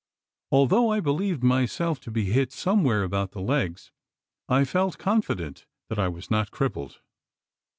Although I believed myself to be hit somewhere about the legs, I felt confident that I was not "crippled."